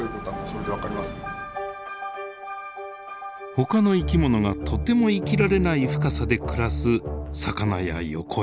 ほかの生き物がとても生きられない深さで暮らす魚やヨコエビ。